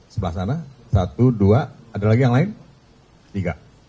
sebelah sana satu dua ada lagi yang lain tiga